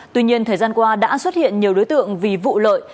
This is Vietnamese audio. tuy nhiên thời gian qua đã xuất hiện nhiều đối tượng vì vụ lợi